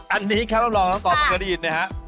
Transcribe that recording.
อันนี้ครับลองรอซ้ำต่อว่าเคยได้ยินนะครับบ้า